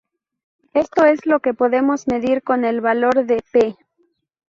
Esto es lo que podemos medir con el valor de "p".